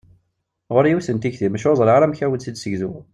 Ɣuṛ-i yiwet n tikti, maca ur ẓriɣ ara amek ara awen-tt-id-segziɣ!